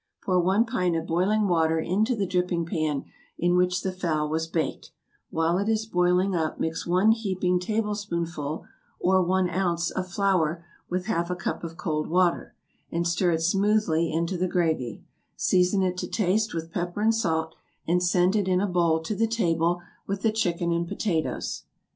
= Pour one pint of boiling water into the dripping pan in which the fowl was baked; while it is boiling up mix one heaping tablespoonful, or one ounce, of flour with half a cup of cold water, and stir it smoothly into the gravy; season it to taste with pepper and salt, and send it in a bowl to the table with the chicken and potatoes.